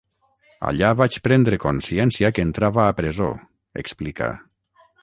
Allà vaig prendre consciència que entrava a presó, explica.